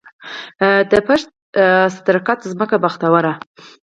د پشد، صدرګټ ځمکه بختوره